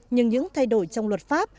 nhưng những thay đổi trong luật pháp